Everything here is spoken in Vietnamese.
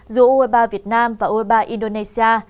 giữa ueba việt nam và ueba indonesia